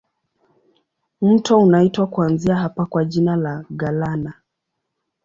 Mto unaitwa kuanzia hapa kwa jina la Galana.